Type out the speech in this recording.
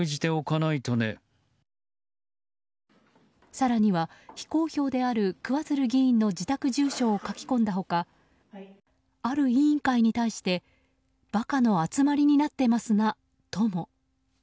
更には非公表である桑水流議員の自宅住所を書き込んだ他ある委員会に対してバカの集まりになってますなとも。